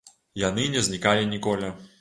Яны не знікалі ніколі.